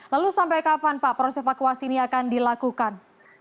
lalu sampai kapan pak proses evakuasi ini akan dilakukan